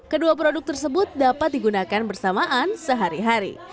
kedua produk tersebut dapat digunakan bersamaan sehari hari